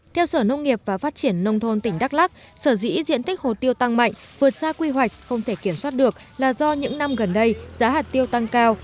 theo sở nông nghiệp và phát triển nông thôn tỉnh đắk lắc sở dĩ diện tích hồ tiêu tăng mạnh vượt xa quy hoạch không thể kiểm soát được là do những năm gần đây giá hạt tiêu tăng cao